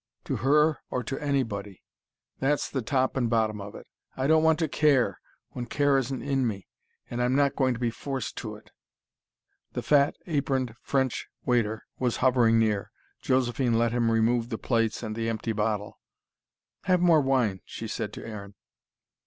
To her or to anybody. That's the top and bottom of it. I don't want to CARE, when care isn't in me. And I'm not going to be forced to it." The fat, aproned French waiter was hovering near. Josephine let him remove the plates and the empty bottle. "Have more wine," she said to Aaron.